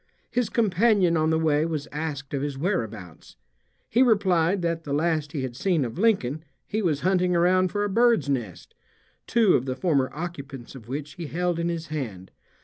His companion on the way was asked of his whereabouts. He replied that the last he had seen of Lincoln he was hunting around for a bird's nest, two of the former occupants of which he held in his hand.